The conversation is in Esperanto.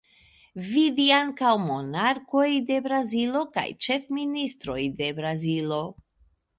Vidu ankaŭ Monarkoj de Brazilo kaj Ĉefministroj de Brazilo.